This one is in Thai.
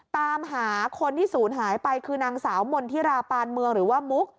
ตามหาคนที่ศูนย์หายไปคือนางสาวมนธิราปานเมืองหรือว่ามุก